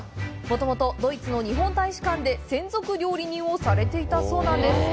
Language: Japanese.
もともと、ドイツの日本大使館で専属料理人をされていたそうなんです。